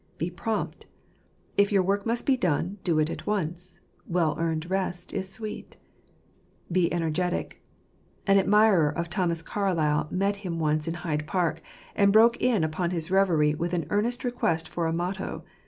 Be prompt. If your work must be done, do it at once : well earned rest is sweet. Be energetic . An admirer of Thomas Carlyle met him once in Hyde Park, and broke in upon his reverie with an earnest request for a motto.